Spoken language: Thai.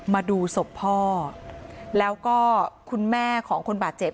มาดูศพพ่อแล้วก็คุณแม่ของคนบาดเจ็บ